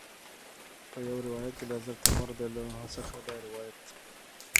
په یو روایت کې د حضرت عمر رض څخه دا روایت